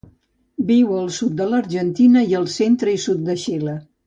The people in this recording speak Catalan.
Viu al sud de l'Argentina i el centre i sud de Xile.